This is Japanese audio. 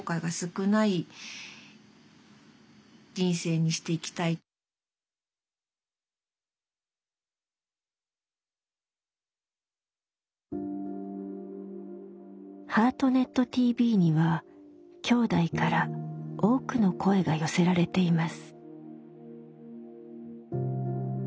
それでもやっぱり「ハートネットＴＶ」にはきょうだいから多くの声が寄せられています。